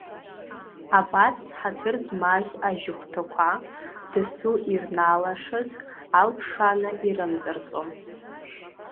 Абас ҳаҭыр змаз ажьыхәҭақәа, дасу ирнаалашаз алԥшааны ирымҵарҵон.